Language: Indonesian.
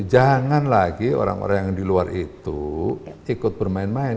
jangan lagi orang orang yang di luar itu ikut bermain main